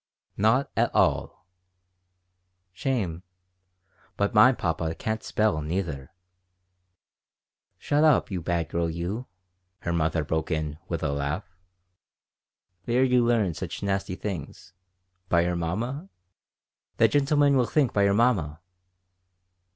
"Not at all!" "Shame! But my papa can't spell, neither." "Shut up, you bad girl you!" her mother broke in with a laugh. "Vere you lea'n such nasty things? By your mamma? The gentleman will think by your mamma."